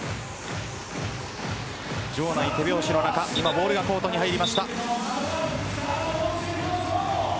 場内、手拍子の中今ボールがコートに入りました。